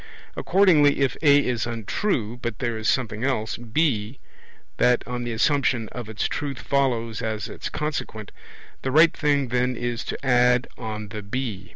Accordingly, if A is untrue, but there is something else, B, that on the assumption of its truth follows as its consequent, the right thing then is to add on the B.